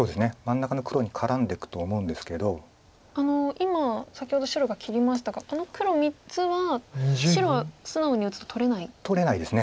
今先ほど白が切りましたがあの黒３つは白は素直に打つと取れない。